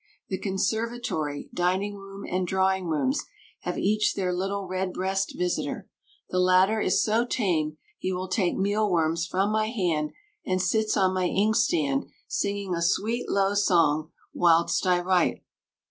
The conservatory, dining room, and drawing rooms have each their little redbreast visitor; the latter is so tame he will take meal worms from my hand, and sits on my inkstand singing a sweet, low song whilst I write.